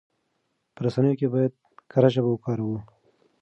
په رسنيو کې بايد کره ژبه وکاروو.